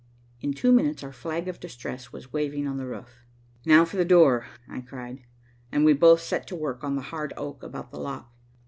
In two minutes our flag of distress was waving on the roof. "Now for the door," I cried, and we both set to work on the hard oak about the lock.